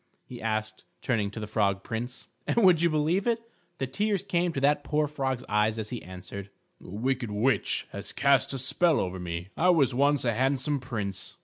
he asked, turning to the Frog Prince. And, would you believe it, the tears came to that poor frog's eyes, as he answered: "A wicked witch has cast a spell over me. I was once a handsome prince."